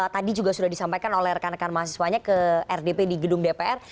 tadi juga sudah disampaikan oleh rekan rekan mahasiswanya ke rdp di gedung dpr